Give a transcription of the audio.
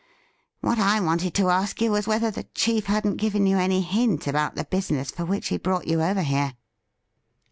'iVhat I wanted to ask was whether the chief hadn't given you any hint about the business for which he brought you over here.'